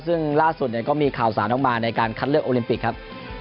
ซึ่งล่าสุดก็มีข่าวสารออกมาในการคัดเลือกโอลิมปิกครับ